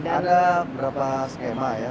ada beberapa skema ya